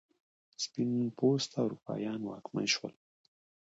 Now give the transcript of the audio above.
سپین پوسته اروپایان واکمن شول.